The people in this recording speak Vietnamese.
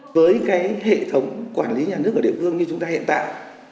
với cái hệ thống quản lý nhà nước ở địa phương như chúng ta hiện tại